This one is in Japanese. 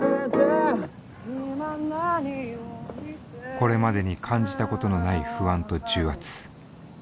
これまでに感じたことのない不安と重圧。